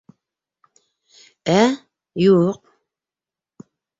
Ә, юҡ...